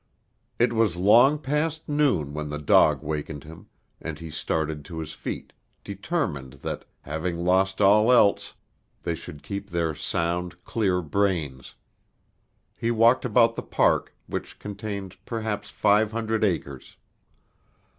It was long past noon when the dog wakened him, and he started to his feet, determined that, having lost all else, they should keep their sound, clear brains. He walked about the park, which contained perhaps five hundred acres.